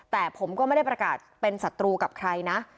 แต่ผมก็ไม่ได้ประกาศเป็นศัตรูกับใครนะ